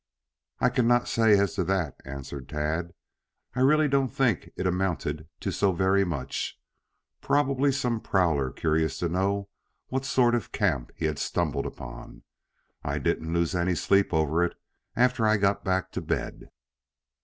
"I cannot say as to that," answered Tad. "I really don't think it amounted to so very much. Probably some prowler curious to know what sort of camp he had stumbled upon. I didn't lose any sleep over it after I got back to bed."